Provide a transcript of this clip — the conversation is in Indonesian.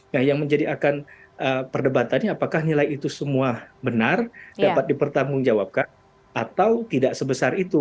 nah yang menjadi akan perdebatannya apakah nilai itu semua benar dapat dipertanggungjawabkan atau tidak sebesar itu